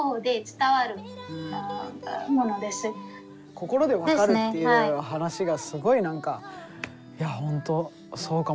心で分かるっていう話がすごい何かいや本当そうかもなって思って。